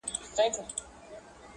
پت د خپل کهاله یې په صدف کي دی ساتلی -